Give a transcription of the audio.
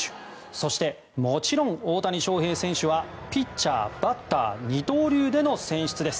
そして、もちろん大谷翔平選手はピッチャー、バッター二刀流での選出です。